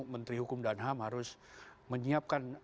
menteri hukum dan ham harus menyiapkan